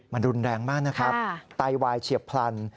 มันรุนแรงมากนะครับไตวายเฉียบพลัน